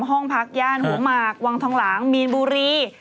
ห้องพักย่านหัวหมากวังทองหลางมีนบุรี